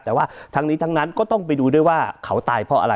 แต่ว่าทั้งนี้ทั้งนั้นก็ต้องไปดูด้วยว่าเขาตายเพราะอะไร